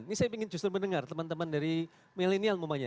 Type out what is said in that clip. ini saya ingin justru mendengar teman teman dari milenial umumnya